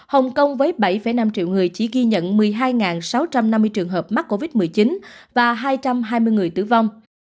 hồng kông với bảy năm triệu người chỉ ghi nhận một mươi hai sáu trăm năm mươi trường hợp mắc covid một mươi chín và hai trăm hai mươi người tử vong